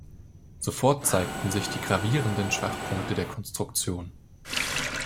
Sofort zeigten sich die gravierenden Schwachpunkte der Konstruktion.